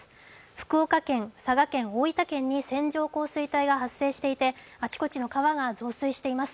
福岡県、佐賀県、大分県に線状降水帯が発生していてあちこちの川が増水しています。